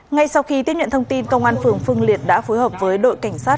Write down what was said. ngay sau khi tiếp nhận thông tin công an phường phương liệt đã phối hợp với đội cảnh sát